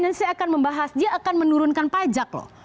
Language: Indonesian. dan saya akan membahas dia akan menurunkan pajak loh